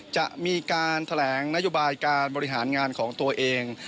จะมีการแถลงนโยบายการบริหารงานของตัวเอง